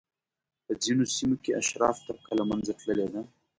په ځینو سیمو کې اشراف طبقه له منځه تللې ده.